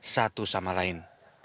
satu sama lain